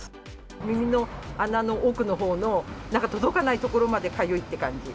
耳の穴の奥のほうのなんか届かない所までかゆいって感じ。